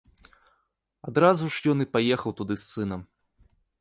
Адразу ж ён і паехаў туды з сынам.